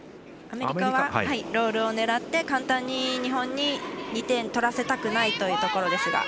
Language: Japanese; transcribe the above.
アメリカはロールを狙って簡単に日本に２点取らせたくないというところです。